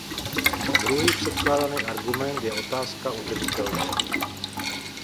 Druhý předkládaný argument je otázka udržitelnosti.